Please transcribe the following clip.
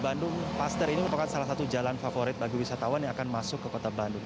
bandung paster ini merupakan salah satu jalan favorit bagi wisatawan yang akan masuk ke kota bandung